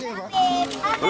belum belum pernah ada tentu